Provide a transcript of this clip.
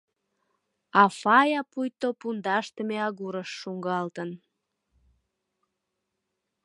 А Фая пуйто пундашдыме агурыш шуҥгалтын.